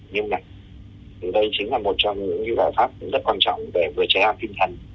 nhưng này đây chính là một trong những giải pháp rất quan trọng để vừa chế hạ tinh thần